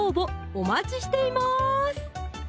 お待ちしています